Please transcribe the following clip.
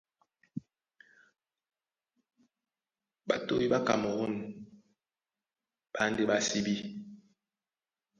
Ɓatoi ɓá Kamerûn ɓá e ndé ɓásíbí.